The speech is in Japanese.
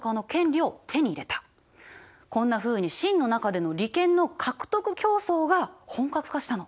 こんなふうに清の中での利権の獲得競争が本格化したの。